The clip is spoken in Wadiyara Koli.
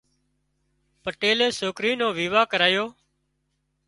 پٽيلي سوڪرِي نو ويوا ڪريو